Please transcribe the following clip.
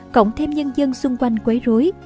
cộng thêm nhân dân xung quanh quấy rối